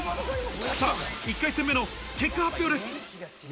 １回戦目の結果発表です。